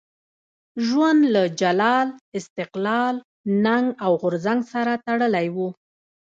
ژوند له جلال، استقلال، ننګ او غورځنګ سره تړلی وو.